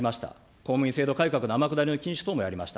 公務員改革、天下りの禁止等もやりました。